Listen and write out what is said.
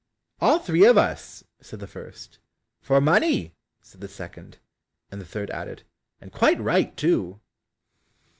"All three of us," said the first, "For money," said the second; and the third added, "And quite right too!"